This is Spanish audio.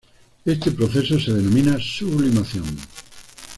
Este proceso se denomina sublimación.